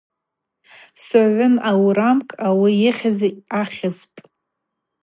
Согъвым аурамкӏ ауи йыхьыз ахьызпӏ.